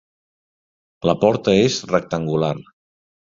La porta és rectangular.